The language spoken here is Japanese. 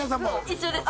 一緒です。